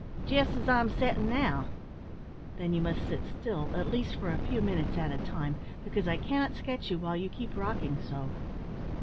"Jest as I'm settin' now." "Then you must sit still, at least for a few minutes at a time, because I cannot sketch you while you keep rocking so."